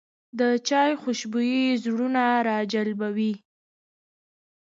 د چای خوشبويي زړونه راجلبوي